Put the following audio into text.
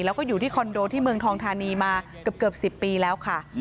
แล้วก็อยู่ที่คอนโดที่เมืองทองธานีมาเกือบ๑๐ปีแล้วค่ะ